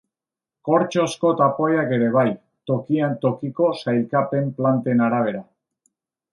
Kortxozko tapoiak ere bai, tokian tokiko sailkapen planten arabera.